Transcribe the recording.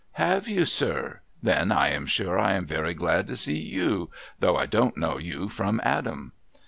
^ Have you, sir? Then I am sure I am very glad to see you, though I don't know you from Adam.'